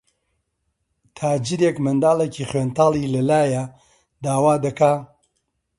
تاجرێک منداڵێکی خوێنتاڵی لە لایە، داوا دەکا